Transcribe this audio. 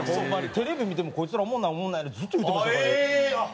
テレビ見ても「こいつらおもんない」ずっと言うてましたから。